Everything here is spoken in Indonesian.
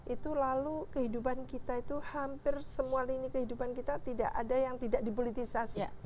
itu lalu kehidupan kita itu hampir semua lini kehidupan kita tidak ada yang tidak dipolitisasi